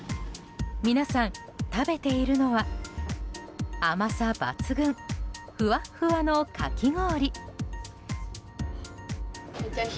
皆さん、食べているのは甘さ抜群、ふわっふわのかき氷。